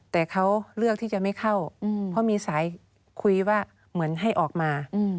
แต่เขาเลือกที่จะไม่เข้าเพราะมีสายคุยว่าเหมือนให้ออกมา